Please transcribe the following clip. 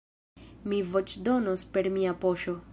Mi voĉdonos per mia poŝo.